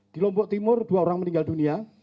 di lombok timur dua orang meninggal dunia